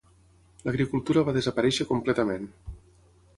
L'agricultura va desaparèixer completament.